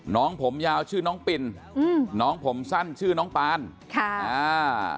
น้องผมยาวชื่อน้องปินอืมน้องผมสั้นชื่อน้องปานค่ะอ่า